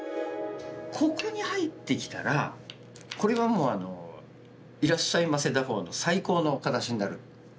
ここに入ってきたらこれはもういらっしゃいませ打法の最高の形になる。